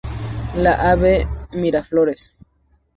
La Av Miraflores.